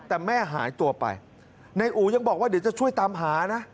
แต่แม่หายตัวไปนายอู๋ยังบอกว่าเดี๋ยวจะช่วยตามหานะ